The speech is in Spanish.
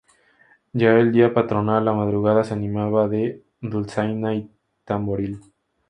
Ya el día patronal, la madrugada se animaba de dulzaina y tamboril.